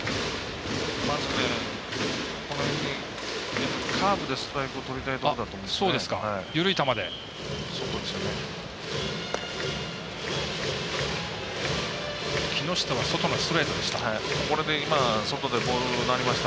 まず、低めにカーブでストライクをとりたいところだと思います。